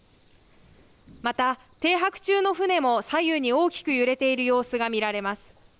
また、停泊中の船も左右に大きく揺れている様子が見られます。